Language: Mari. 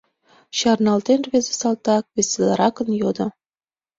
Чарналтен, рвезе салтак веселаракын йодо: